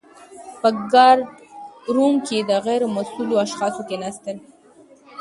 په ګارډ روم کي د غیر مسؤلو اشخاصو کښيناستل .